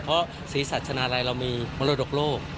เพราะศรีศัทธานาะลายมีมลกโลก